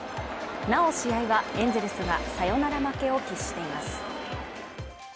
なお試合はエンゼルスがサヨナラ負けを喫しています。